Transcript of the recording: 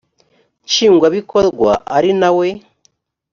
nshingwabikorwa ari na we